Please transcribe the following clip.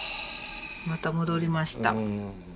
また戻りました。